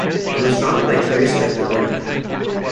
It was founded by Terry Smith of Winnipeg.